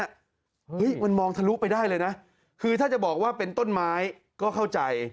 เฮ้ยมันมองทะลุไปได้เลยนะคือถ้าจะบอกว่าเป็นต้นไม้ก็เข้าใจ